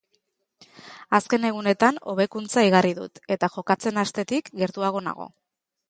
Azken egunetan hobekuntza igarri dut, eta jokatzen hastetik gertuago nago.